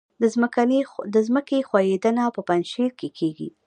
د ځمکې ښویدنه په پنجشیر کې کیږي